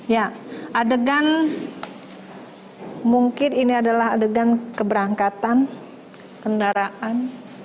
ya adegan mungkin ini adalah adegan keberangkatan kendaraan